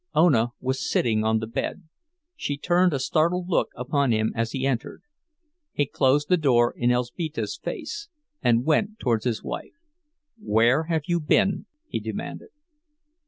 Ona was sitting on the bed. She turned a startled look upon him as he entered. He closed the door in Elzbieta's face, and went toward his wife. "Where have you been?" he demanded.